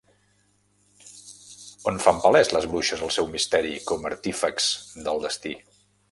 On fan palès les bruixes el seu misteri com artífexs del destí?